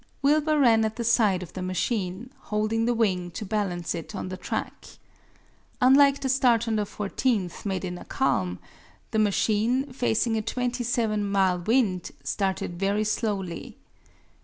Wilbur ran at the side of the machine, holding the wing to balance it on the track. Unlike the start on the 14th, made in a calm, the machine, facing a 27 mile wind, started very slowly.